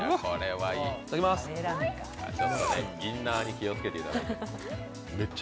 インナーに気をつけていただいて。